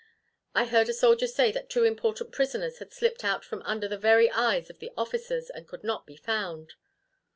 I heard a soldier say that two important prisoners had slipped out from under the very eyes of the officers and could not be found.